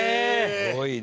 すごいな。